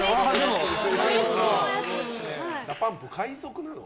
ＤＡＰＵＭＰ海賊なの？